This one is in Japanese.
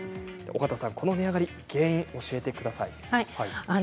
小方さん、この値上がりの原因を教えてください。